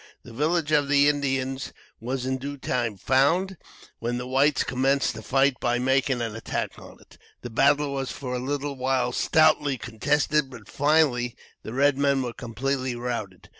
The village of the Indians was in due time found, when the whites commenced the fight by making an attack on it. The battle was for a little while stoutly contested; but finally the red men were completely routed.